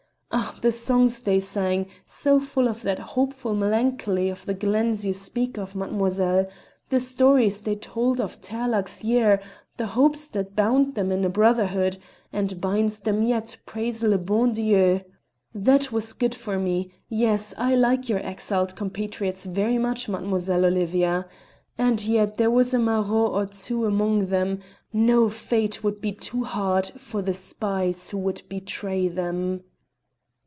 Ah! the songs they sang, so full of that hopeful melancholy of the glens you speak of, mademoiselle; the stories they told of Tearlach's Year; the hopes that bound them in a brotherhood and binds them yet, praise le bon Dieu! That was good for me. Yes; I like your exiled compatriots very much, Mademoiselle Olivia. And yet there was a maraud or two among them; no fate could be too hard for the spies who would betray them."